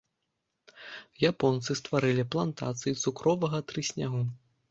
Японцы стварылі плантацыі цукровага трыснягу.